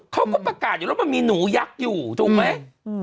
เขาก็ประกาศอยู่แล้วมันมีหนูยักษ์อยู่ถูกไหม